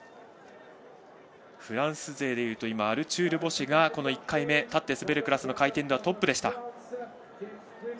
フランス勢でいうとアルチュール・ボシェが１回目、立って滑るクラスの回転でトップでした。